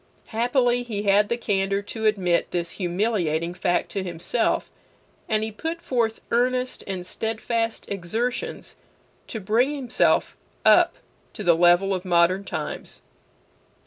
Happily he had the candor to admit this humiliating fact to himself, and he put forth earnest and steadfast exertions to bring himself up to the level of modern times.